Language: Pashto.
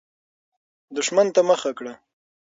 دښمن ته مخه کړه.